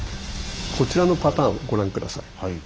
こちらのパターンご覧下さい。